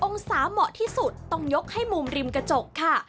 องศาเหมาะที่สุดต้องยกให้มุมริมกระจกค่ะ